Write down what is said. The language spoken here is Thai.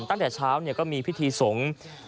ตอนเช้าก็มีพิธีสงกราน